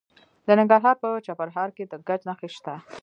د ننګرهار په چپرهار کې د ګچ نښې شته.